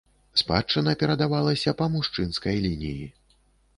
Спадчына перадавалася па мужчынскай лініі.